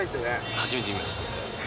初めて見ましたね。